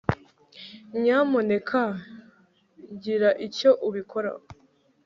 nyamuneka gira icyo ubikoraho